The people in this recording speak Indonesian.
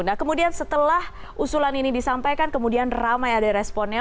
nah kemudian setelah usulan ini disampaikan kemudian ramai ada responnya